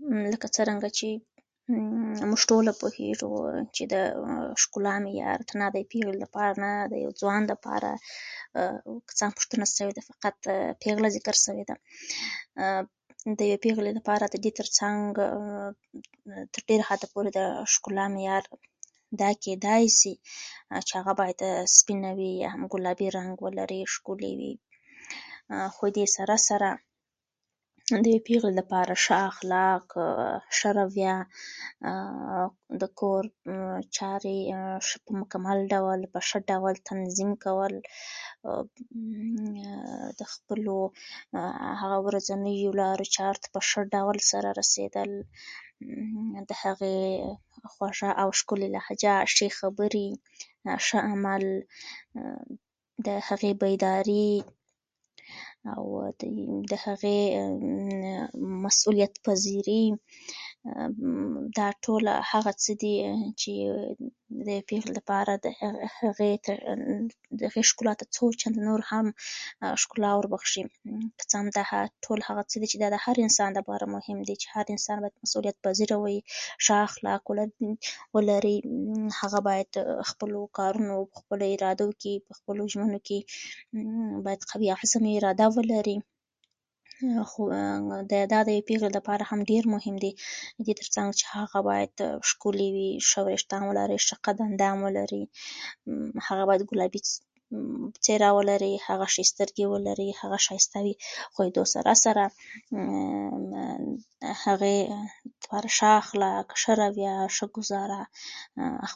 هغه ځای ته مه ځه چې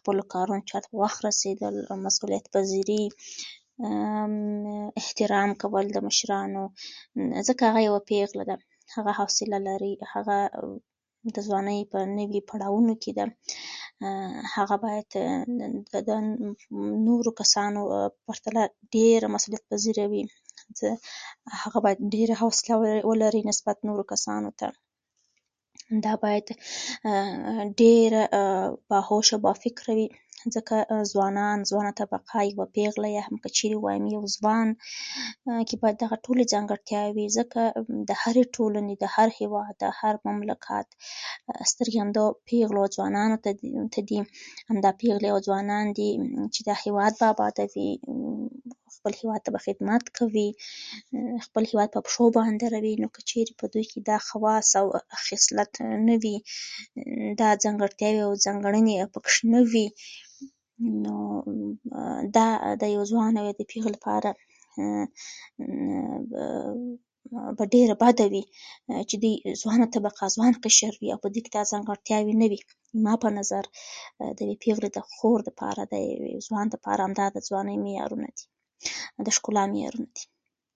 قدر دې نکيږي